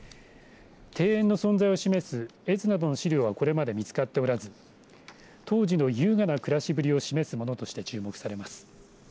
庭園の存在を示す絵図などの資料はこれまで見つかっておらず当時の優雅な暮らしぶりを示すものとして注目されます。